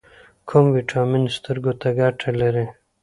کوم ویټامین سترګو ته ګټه لري؟